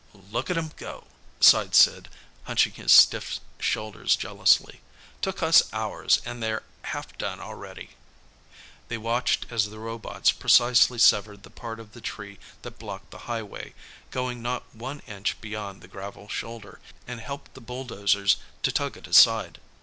"Look at 'em go!" sighed Sid, hunching his stiff shoulders jealously. "Took us hours, an' they're half done already." They watched as the robots precisely severed the part of the tree that blocked the highway, going not one inch beyond the gravel shoulder, and helped the bulldozers to tug it aside.